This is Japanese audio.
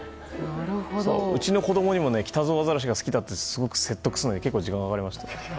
うちの子供にもキタゾウアザラシが好きだって、すごく説得するのに時間がかかりました。